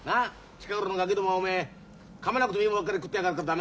近頃のガキどもはおめえかまなくてもいいものばっかり食ってやがるから駄目なんだよ。